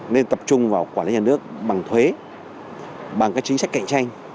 nên tập trung vào quản lý nhà nước bằng thuế bằng các chính sách cạnh tranh